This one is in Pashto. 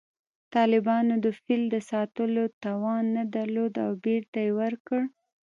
طالبانو د فیل د ساتلو توان نه درلود او بېرته یې ورکړ